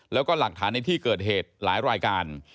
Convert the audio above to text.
แล้วก็หลักฐานในที่เกิดเหตุหลายรายการ